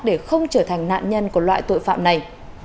để không trở thành nạn nhân của loại tội phạm này